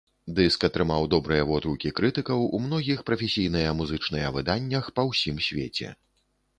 Дыск атрымаў добрыя водгукі крытыкаў у многіх прафесійныя музычныя выданнях па ўсім свеце.